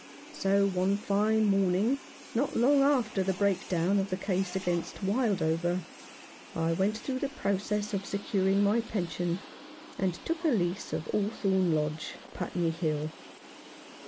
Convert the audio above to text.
So one fine morning, not long after the break down of the 172 Mr. Faunce's Record. case against Wildover, I went through the process of securing my pension, and took a lease of Haw thorn Lodge, Putney Hill.